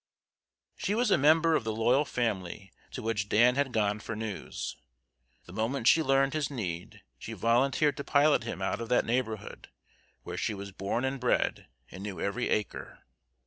] She was a member of the loyal family to which Dan had gone for news. The moment she learned his need, she volunteered to pilot him out of that neighborhood, where she was born and bred, and knew every acre.